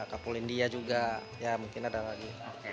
ya mungkin ada lagi